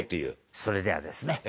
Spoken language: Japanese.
それではですね